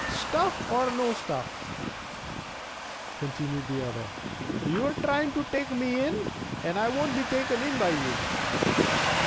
"Stuff or no stuff," continued the other, "you are trying to take me in, and I won't be taken in by you."